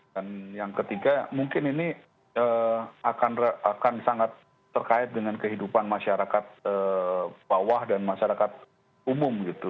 dan yang ketiga mungkin ini akan sangat terkait dengan kehidupan masyarakat bawah dan masyarakat umum gitu